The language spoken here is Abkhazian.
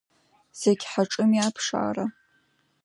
Зегь ҳаҿыми аԥшаара…